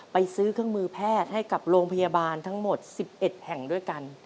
ไปซื้อเครื่องมือแพทย์ให้กับโรงพยาบาลทั้งหมด๑๑แห่งด้วยกัน